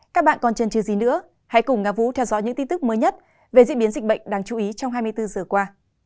các bạn còn chân trừ gì nữa hãy cùng ngà vú theo dõi những tin tức mới nhất về diễn biến dịch bệnh đáng chú ý trong hai mươi bốn giờ qua